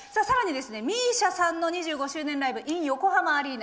さらに「ＭＩＳＩＡ２５周年ライブｉｎ横浜アリーナ」。